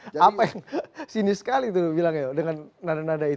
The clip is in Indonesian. siapa yang sinis sekali tuh bilangnya dengan nada nada itu